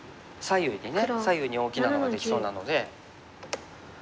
左右に大きなのができそうなので。